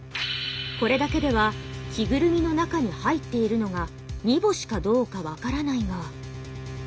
これだけでは着ぐるみの中に入っているのが荷星かどうか分からないが。